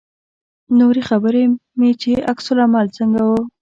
نورې خبرې مې چې عکس العمل څنګه و.